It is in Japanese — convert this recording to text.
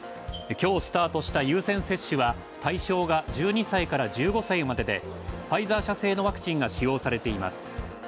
今日スタートした優先接種は対象が１２歳から１５歳までで、ファイザー社製のワクチンが使用されています。